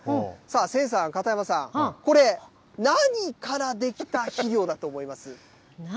千さん、片山さん、これ、何から出来た肥料だと思います？